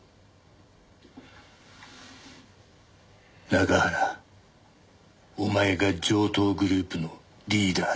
中原お前が城東グループのリーダーだな。